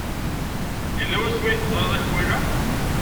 Yella wasmi ay teẓrid akwala?